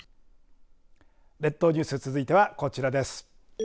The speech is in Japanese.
列島ニュース続いてはこちらです。